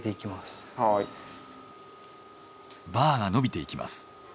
バーが伸びていきます。